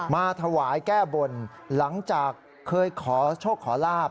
มาถวายแก้บนหลังจากเคยขอโชคขอลาบ